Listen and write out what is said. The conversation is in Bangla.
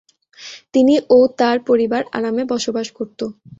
তিনি ও তার পরিবার আরামে বসবাস করতো।